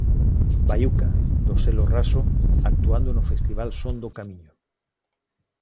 Baiuca, do selo Raso, actuando no festival Son do Camiño.